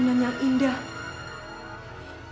dan ini adalah kebahagiaan yang indah